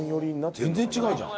全然違うじゃん。